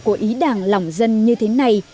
của ý đảng lòng dân như thế này